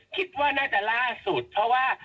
คิดว่าน่าจะล่าสุดเพราะว่า